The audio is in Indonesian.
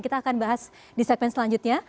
kita akan bahas di segmen selanjutnya